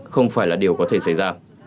không phải là điều có thể xảy ra